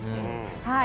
はい。